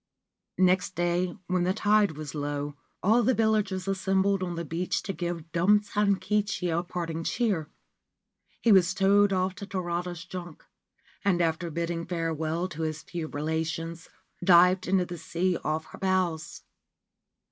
Next day, when the tide was low, all the villagers assembled on the beach to give Dumb Sankichi a parting cheer. He was rowed out to Tarada's junk, and, after bidding farewell to his few relations, dived into the sea off her bows.